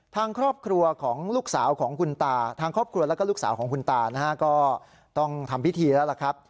ทางครอบครัวแล้วก็ลูกสาวของคุณตาก็ต้องทำพิธีแล้วล่ะครับ